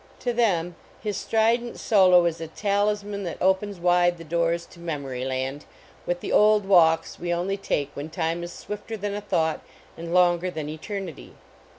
To them his strident solo is a talis man that opens wide the doors to Memory land, with the old walks we only take when 1 66 THE KATYDID IN Ol KKA time is .swifter than a thought and longer than eternity.